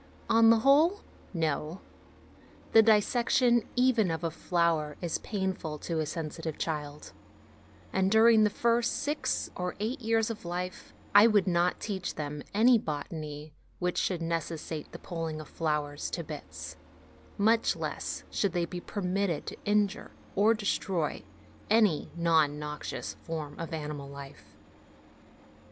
On the whole, no : the dissection even of a flower is painful to a sensitive child, and, during the first six or eight years of life, I would not teach them any botany which should necessitate the pulling of flowers to bits ; much less should they be permitted to injure or destroy any (not noxious) form of animal life.